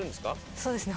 そうですね